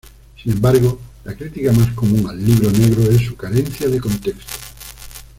Sin embargo, la crítica más común al "Libro negro" es su carencia de contexto.